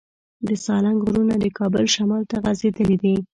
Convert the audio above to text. د سالنګ غرونه د کابل شمال ته غځېدلي دي.